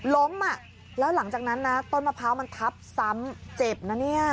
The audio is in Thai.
ล้มอ่ะแล้วหลังจากนั้นนะต้นมะพร้าวมันทับซ้ำเจ็บนะเนี่ย